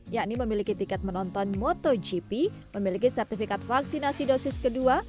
yakni memiliki tiket menonton motogp memiliki sertifikat vaksinasi dosis kedua